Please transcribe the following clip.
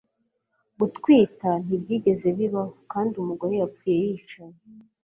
gutwita ntibyigeze bibaho kandi umugore yapfuye yicaye